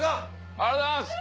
ありがとうございます！